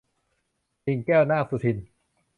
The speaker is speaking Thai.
กิ่งแก้ว นาคสุทิน